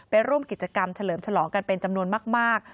ร่วมกิจกรรมเฉลิมฉลองกันเป็นจำนวนมาก